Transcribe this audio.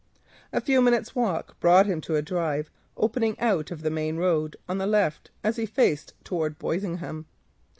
A few minutes' walk brought him to a drive opening out of the main road on the left as he faced towards Boisingham.